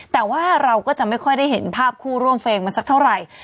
แต่ว่าเราก็จะไม่ค่อยได้เห็นภาพคู่ร่วมเพลงมันสักเท่าไหร่